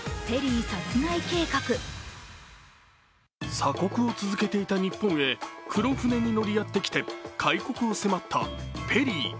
鎖国を続けていた日本へ黒船に乗りやってきて開国を迫ったペリー。